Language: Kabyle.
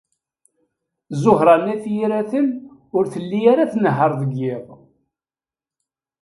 Ẓuhṛa n At Yiraten ur telli ara tnehheṛ deg yiḍ.